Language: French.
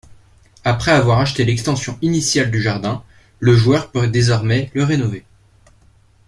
Après avoir acheté l'extension initiale du jardin, le joueur peut désormais le rénover.